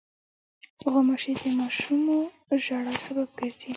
غوماشې د ماشومو ژړا سبب ګرځي.